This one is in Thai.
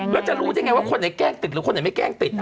แล้วจะรู้ได้ไงว่าคนไหนแกล้งติดหรือคนไหนไม่แกล้งติด